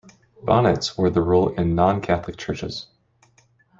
Bonnets were the rule in non-Catholic churches.